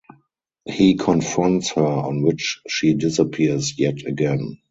He confronts her on which she disappears yet again.